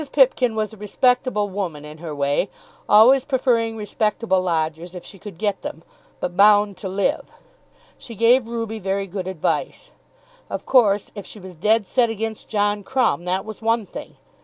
Pipkin was a respectable woman in her way, always preferring respectable lodgers if she could get them; but bound to live. She gave Ruby very good advice. Of course if she was "dead set" against John Crumb, that was one thing!